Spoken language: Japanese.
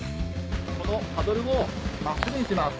このパドルを真っすぐにします。